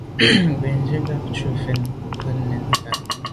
Bènzwi bat tshùa mfèn bo nke nèn ntàne.